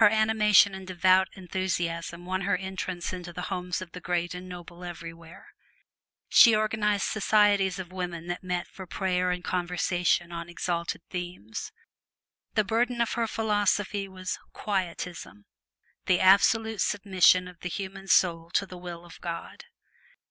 Her animation and devout enthusiasm won her entrance into the homes of the great and noble everywhere. She organized societies of women that met for prayer and conversation on exalted themes. The burden of her philosophy was "Quietism" the absolute submission of the human soul to the will of God.